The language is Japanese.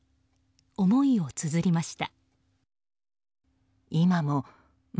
思いをつづりました。